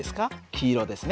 黄色ですね。